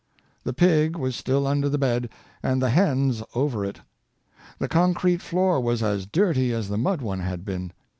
The pig was still under the bed, and the hens over it. The concrete floor was as dirty as the mud one had been.